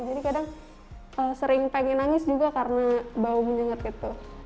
jadi kadang sering pengen nangis juga karena bau menyengat gitu